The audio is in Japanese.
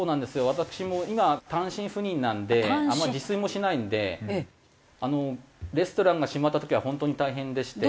私も今単身赴任なのであまり自炊もしないのでレストランが閉まった時は本当に大変でして。